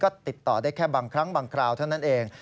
ก็ติดต่อได้แค่บางครั้งบางคราวเท่านั้นเอง